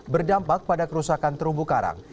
berdampak pada kerusakan terumbu karang